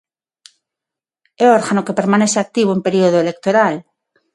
É o órgano que permanece activo en período electoral.